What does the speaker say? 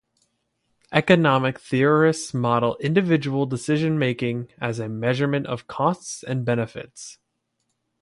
Economic theorists model individual decision-making as measurement of costs and benefits.